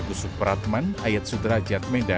agus subratman ayat sudraja berkata